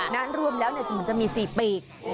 รวมแล้วเหมือนจะมี๔ปี